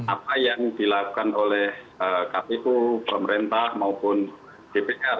apa yang dilakukan oleh kpku pemerintah maupun dpkr